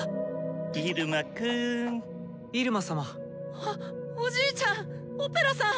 あっおじいちゃんオペラさん！